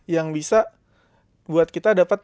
yang bisa buat kita dapat